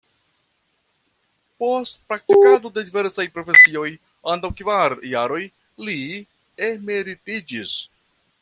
Post praktikado de diversaj profesioj, antaŭ kvar jaroj, li emeritiĝis.